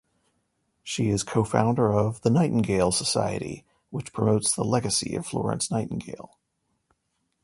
She is co-founder of "The Nightingale Society" which promotes the legacy of Florence Nightingale.